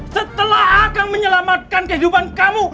setelah akan menyelamatkan kehidupan kamu